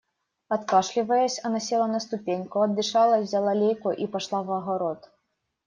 Откашливаясь, она села на ступеньку, отдышалась, взяла лейку и пошла в огород.